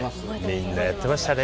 みんなやってましたね。